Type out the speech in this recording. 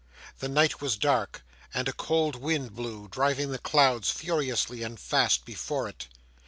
The night was dark, and a cold wind blew, driving the clouds, furiously and fast, before it.